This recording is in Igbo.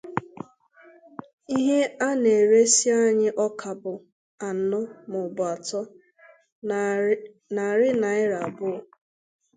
ihe a na-eresị anyị ọka bụ anọ maọbụ atọ narị naịra abụọ